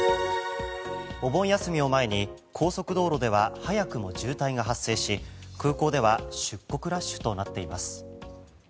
お盆休みを前に高速道路では早くも渋滞が発生し空港では出国ラッシュとなっています。